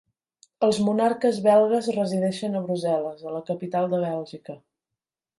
Els monarques belgues resideixen a Brussel·les, la capital de Bèlgica.